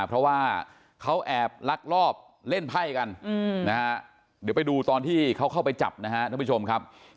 เพราะว่าเขาแอบลักลอบเล่นไพ่กันนะฮะเดี๋ยวไปดูตอนที่เขาเข้าไปจับนะฮะท่านผู้ชมครับ